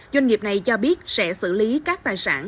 doanh nghiệp này cho biết sẽ xử lý các tài sản